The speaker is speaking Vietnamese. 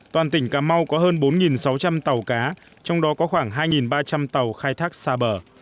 toàn tỉnh cà mau có hơn bốn sáu trăm linh tàu cá trong đó có khoảng hai ba trăm linh tàu khai thác xa bờ